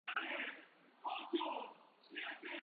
Este sencillo es el octavo bajo Avex.